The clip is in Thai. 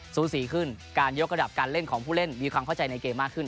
สูสีขึ้นการยกระดับการเล่นของผู้เล่นมีความเข้าใจในเกมมากขึ้น